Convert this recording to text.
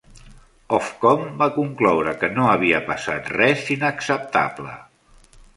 Ofcom va concloure que no havia passat res inacceptable.